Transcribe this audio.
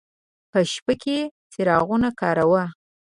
په شپه کې څراغونه کاروه.